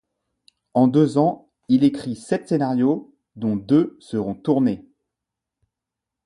En deux ans, il écrit sept scénarios dont deux seront tournés.